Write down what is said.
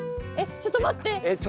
ちょっと待って。